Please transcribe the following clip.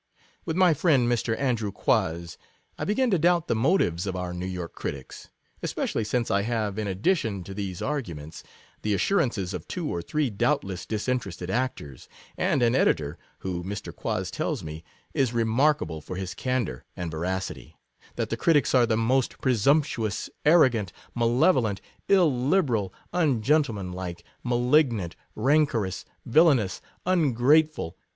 With my friend, Mr. Andrew Quoz, I begin to doubt the mo tives of our New York critics; especially since I have, in addition to these arguments, the assurances of two or three doubtless dis interested actors, and an editor, who, Mr. Quoz tells me, is remarkable for his candour and veracity, that the critics are the most * presumptuous/ ' arrogant/ 'malevolent/ ' il liberal/ * ungentlemanlike/ ' malignant/ ' ran corous/ ' villanous/ ' ungrateful